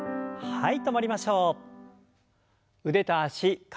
はい。